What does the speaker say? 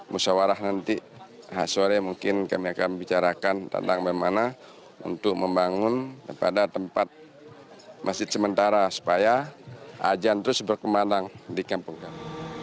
musyawarah nanti sore mungkin kami akan bicarakan tentang bagaimana untuk membangun pada tempat masjid sementara supaya ajan terus berkembang di kampung kami